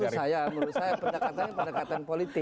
menurut saya pendekatan politik